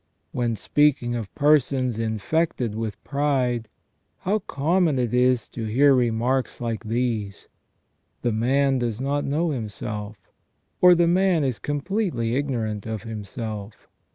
When speaking of persons infected with pride, how common it is to hear remarks like these : The man does not know himself; or. The man is completely ignorant of himself.